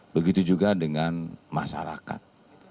begitu juga dengan masyarakat